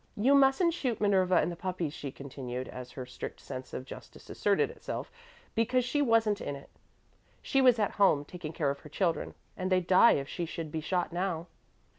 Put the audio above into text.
"You mustn't shoot Minerva and the puppies," she continued, as her strict sense of justice asserted itself, "because she wasn't in it. She was at home taking care of her children and they'd die if she should be shot now."